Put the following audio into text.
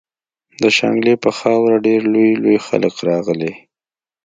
د شانګلې پۀ خاوره ډېر لوئ لوئ خلق راغلي